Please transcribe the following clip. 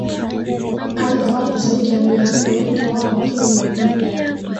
aidha watu zaidi ya mia nne wengi wao wakiwa ni watoto